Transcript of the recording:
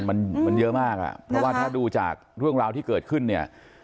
มันมันเยอะมากอ่ะเพราะว่าถ้าดูจากเรื่องราวที่เกิดขึ้นเนี่ย